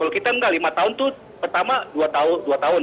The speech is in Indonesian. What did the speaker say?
kalau kita enggak lima tahun itu pertama dua tahun